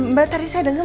mbak tadi saya denger